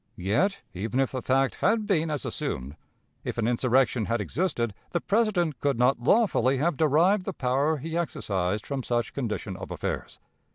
Yet, even if the fact had been as assumed, if an insurrection had existed, the President could not lawfully have derived the power he exercised from such condition of affairs.